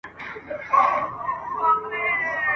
بیا به کله راسي، وايي بله ورځ ..